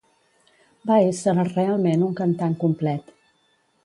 Va ésser realment un cantant complet.